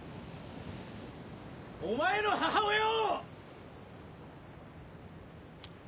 お前の母親を！